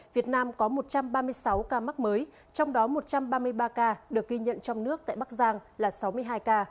việt nam có một trăm ba mươi sáu ca mắc mới trong đó một trăm ba mươi ba ca được ghi nhận trong nước tại bắc giang là sáu mươi hai ca